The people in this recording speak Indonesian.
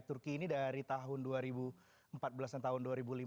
turki ini dari tahun dua ribu empat belas dan tahun dua ribu lima belas